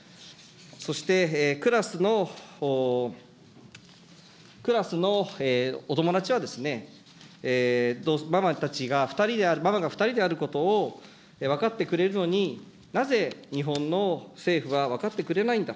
そしてクラスの、クラスのお友達は、ママたちが、ママが２人であることを分かってくれるのに、なぜ日本の政府は分かってくれないんだ。